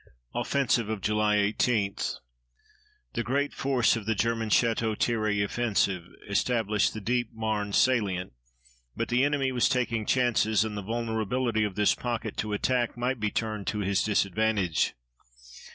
OFFENSIVE OF JULY 18 The great force of the German Château Thierry offensive established the deep Marne salient, but the enemy was taking chances, and the vulnerability of this pocket to attack might be turned to his disadvantage.